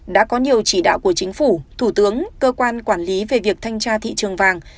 đã có nhiều chỉ đạo của chính phủ thủ tướng cơ quan quản lý về việc thanh tra thị trường vàng